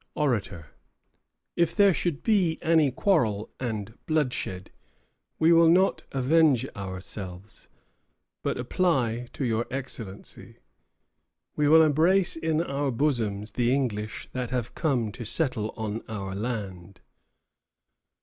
ORATOR. If there should be any quarrel and bloodshed, we will not avenge ourselves, but apply to your Excellency. We will embrace in our bosoms the English that have come to settle on our land.